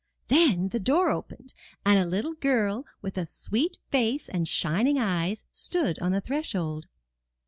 Then the door opened, and a little girl with a 356 IN THE NURSERY sweet face and shining eyes stood on the threshold.